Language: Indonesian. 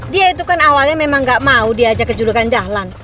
dia itu kan awalnya memang gak mau diajak kejulukan jalan